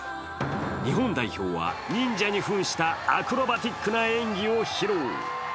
日本代表は、忍者にふんしたアクロバティックな演技を披露。